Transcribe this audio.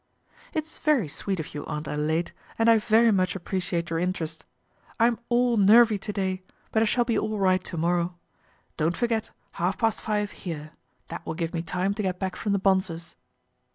" It's very sweet of you, Aunt Adelaide, and I very much appreciate your interest. I am all nervy to day ; but I shall be all right to morrow. Don't forget, half past five here. That will give me time to get back from the Bonsors'."